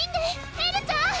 エルちゃん！